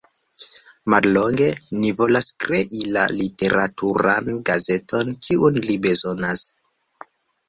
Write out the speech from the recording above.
Mallonge: ni volas krei la literaturan gazeton, kiun ni bezonas.